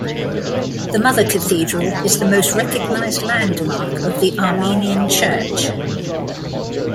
The Mother Cathedral is the most recognised landmark of the Armenian Church.